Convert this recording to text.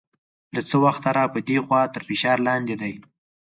له څه وخته را په دې خوا تر فشار لاندې دی.